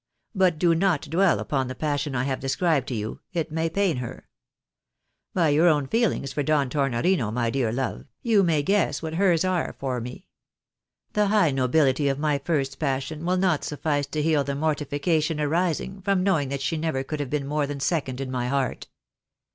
But do not dwell upon the passion I have described to you — it may pain her. By your own feeUngs for Don Tornorino, my dear love, you may guess what her's are for me. The high nobility of my first passion will not suffice to heal the mortification arising from knowing that she never could have been more than second in my heart.